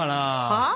はあ？